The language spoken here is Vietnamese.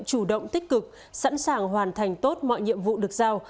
chủ động tích cực sẵn sàng hoàn thành tốt mọi nhiệm vụ được giao